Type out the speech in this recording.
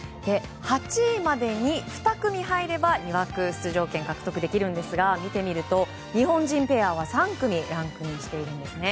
８位までに２組入れば２枠出場権を獲得できますが見てみると、日本人ペアは３組ランクインしているんですね。